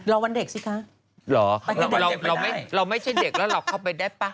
เราวันเด็กซินะคะหรอเราไม่ใช่เด็กแล้วเราเข้าไปได้ฟะ